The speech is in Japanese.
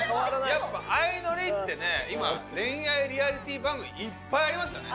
やっぱ『あいのり』ってね今恋愛リアリティー番組いっぱいありますよね。